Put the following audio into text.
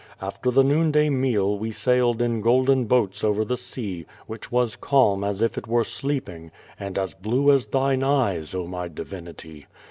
After the noon day meal we sailed in golden boats over the sea, which was calm as if it were sleeping, and as blue as thine eyes, oh, my divinity.